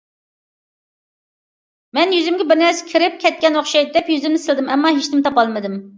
مەن يۈزۈمگە بىر نەرسە كىرىپ كىرىپ كەتكەن ئوخشايدۇ دەپ يۈزۈمنى سىيلىدىم، ئەمما ھېچنېمە تاپالمىدىم.